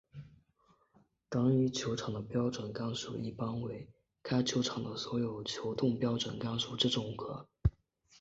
单一球场的标准杆数一般为该球场的所有球洞标准杆数之总和。